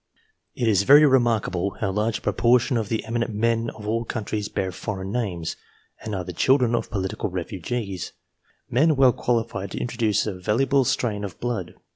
It is very remarkable how large a proportion of the emi nent men of all countries bear foreign names, and are the children of political refugees, men well qualified to intro duce a valuable strain of blood.